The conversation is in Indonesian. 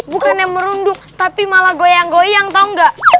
bukannya merunduk tapi malah goyang goyang tau gak